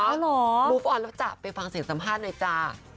รูปออนแล้วจ้ะไปฟังเสียงสัมภาษณ์หน่อยจ้า